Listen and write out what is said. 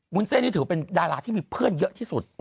เส้นนี่ถือเป็นดาราที่มีเพื่อนเยอะที่สุด